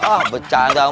ah becanda mu lu